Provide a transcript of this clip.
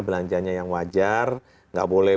belanjanya yang wajar nggak boleh